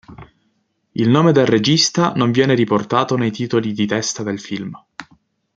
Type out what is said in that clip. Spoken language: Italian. Il nome del regista non viene riportato nei titoli di testa del film.